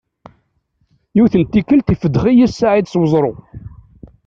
Yiwet n tikelt ifeddex-iyi Saɛid s uẓru.